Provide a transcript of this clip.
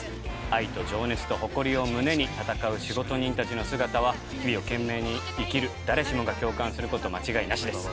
愛と情熱と誇りを胸に戦う仕事人たちの姿は日々を懸命に生きる誰しもが共感する事間違いなしです。